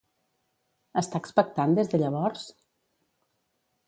Està expectant des de llavors?